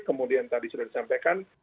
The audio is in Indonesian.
kemudian tadi sudah disampaikan